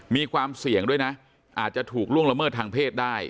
มีความเสี่ยงด้วยนะอาจจะถูกล่วงละเมิดทางเพศได้